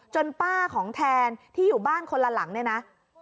ป้าของแทนที่อยู่บ้านคนละหลังเนี่ยนะ